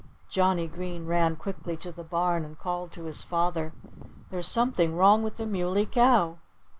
Johnnie Green ran quickly to the barn and called to his father. "There's something wrong with the Muley Cow!"